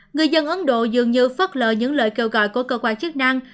người dân ấn độ dường như phất lờ những lời kêu gọi của cơ quan chức năng